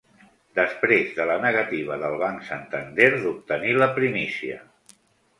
Després de la negativa del Banc Santander d'obtenir la primícia.